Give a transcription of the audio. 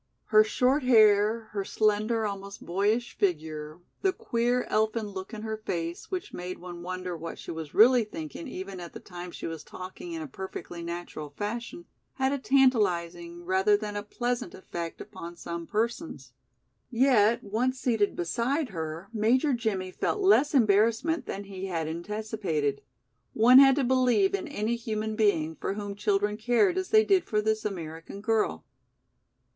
Her short hair, her slender, almost boyish figure, the queer elfin look in her face, which made one wonder what she was really thinking even at the time she was talking in a perfectly natural fashion, had a tantalizing rather than a pleasant effect upon some persons. Yet once seated beside her Major Jimmie felt less embarrassment than he had anticipated. One had to believe in any human being for whom children cared as they did for this American girl.